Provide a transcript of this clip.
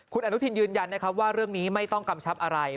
คุณอนุทินยืนยันนะครับว่าเรื่องนี้ไม่ต้องกำชับอะไร